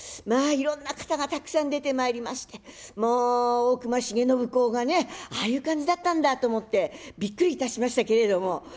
まあいろんな方がたくさん出てまいりましてもう大隈重信公がねああいう感じだったんだと思ってびっくりいたしましたけれども。